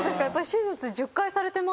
手術１０回されてます